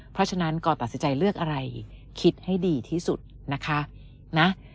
เพราะฉะนั้นกอตัดสินใจเลือกอะไรคิดให้ดีที่สุดนะคะนะ